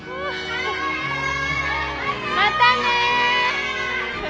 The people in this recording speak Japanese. またね！